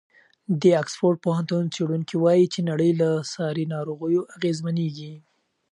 د اکسفورډ پوهنتون څېړونکي وایي چې نړۍ له ساري ناروغیو اغېزمنېږي.